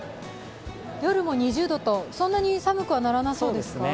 夜も２０度と、そんなに寒くはならなさそうですか。